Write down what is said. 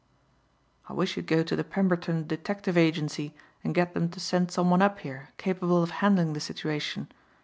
"I wish you'd go to the Pemberton Detective Agency and get them to send some one up here capable of handling the situation.